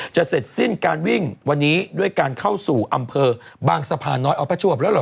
เสร็จสิ้นการวิ่งวันนี้ด้วยการเข้าสู่อำเภอบางสะพานน้อยเอาประจวบแล้วเหรอ